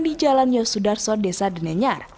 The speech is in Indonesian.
di jalan yosudarso desa denenyar